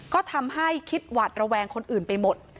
ก็ทำให้คิดหวัดระแวงคนอื่นไปหมด